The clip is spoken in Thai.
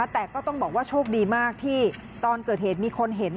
แต่ก็ต้องบอกว่าโชคดีมากที่ตอนเกิดเหตุมีคนเห็น